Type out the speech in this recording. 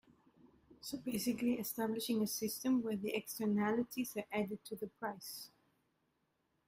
So basically establishing a system where the externalities are added to the price.